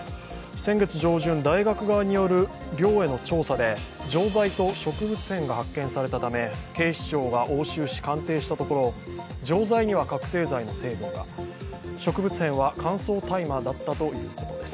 先月上旬、大学側による寮への調査で錠剤と植物片が発見されたため警視庁が押収し、鑑定したところ錠剤には覚醒剤の成分が、植物片は乾燥大麻だったということです。